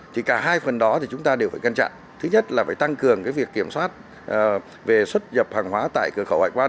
thì cả hai phần đó thì chúng ta đều phải cân trạng thứ nhất là phải tăng cường việc kiểm soát về xuất dập hàng hóa tại cửa khẩu hoặc bán hàng